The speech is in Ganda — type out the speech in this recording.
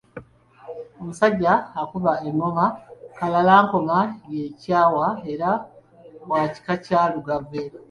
Omusajja akuba engoma Kalalankoma ye Kyawa era wa kika kya Lugave